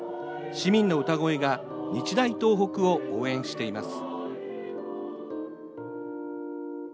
市民の歌声が日大東北を応援しています。